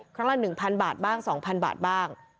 ครั้งละ๑๐๐บาทบ้าง๒๐๐บาทบ้าง